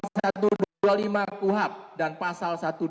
satu ratus dua puluh lima kuhap dan pasal satu ratus dua puluh